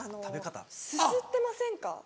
すすってませんか？